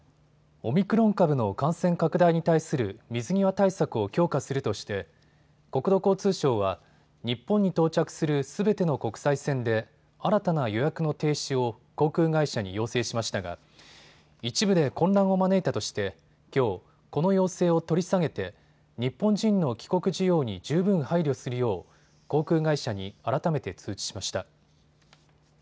オミクロン株の感染拡大に対する水際対策を強化するとして国土交通省は日本に到着するすべての国際線で新たな予約の停止を航空会社に要請しましたが一部で混乱を招いたとしてきょう、この要請を取り下げて日本人の帰国需要に十分配慮するよう航空会社に改めて通知しました。